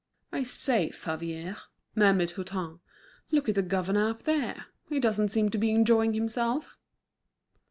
"I say, Favier," murmured Hutin, "look at the governor up there. He doesn't seem to be enjoying himself."